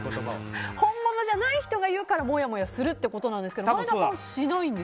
本物じゃない人が言うからもやもやするってことですけど前田さん